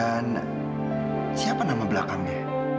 dan siapa nama belakangnya